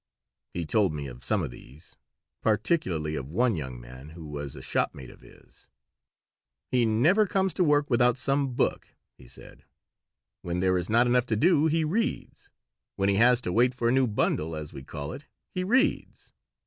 He told me of some of these, particularly of one young man who was a shopmate of his. "He never comes to work without some book" he said. "When there is not enough to do he reads. When he has to wait for a new 'bundle,' as we call it, he reads.